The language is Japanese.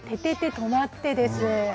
とまって！です。